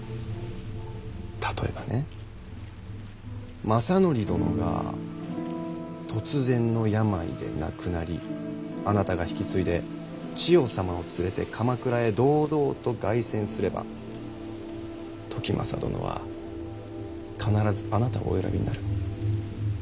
例えばね政範殿が突然の病で亡くなりあなたが引き継いで千世様を連れて鎌倉へ堂々と凱旋すれば時政殿は必ずあなたをお選びになる。